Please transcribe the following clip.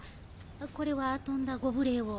これはとんだご無礼を。